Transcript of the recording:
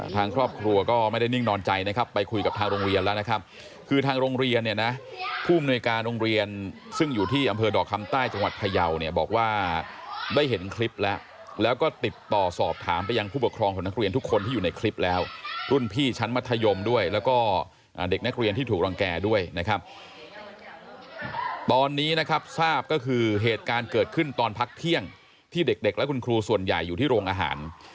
ทางครอบครัวก็ไม่ได้นิ่งนอนใจนะครับไปคุยกับทางโรงเรียนแล้วนะครับคือทางโรงเรียนเนี่ยนะผู้มนุยการโรงเรียนซึ่งอยู่ที่อำเภอดอกคำใต้จังหวัดพยาวเนี่ยบอกว่าได้เห็นคลิปแล้วแล้วก็ติดต่อสอบถามไปยังผู้ปกครองของนักเรียนทุกคนที่อยู่ในคลิปแล้วรุ่นพี่ชั้นมัธยมด้วยแล้วก็เด็กนักเรียนที่ถูกร